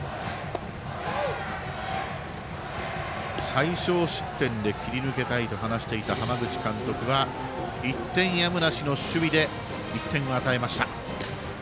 最少失点で切り抜けたいと話していた浜口監督は１点やむなしの守備で１点与えました。